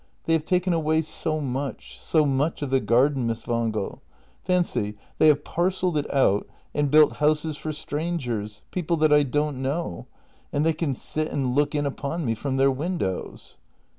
They have taken away so much — so much of the garden, Miss Wangel. Fancy — they have par celled it out — and built houses for strangers — people that I don't know. And they can sit and look in upon me from their windows.